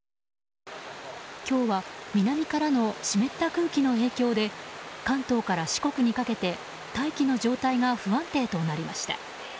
今日は南からの湿った空気の影響で関東から四国にかけて大気の状態が不安定となりました。